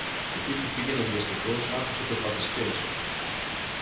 Εκεί που πήγαινε βιαστικός, άκουσε περπατησιές.